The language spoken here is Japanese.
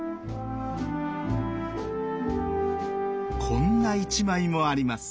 こんな一枚もあります。